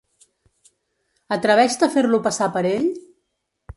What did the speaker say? Atreveix-te a fer-lo passar per ell?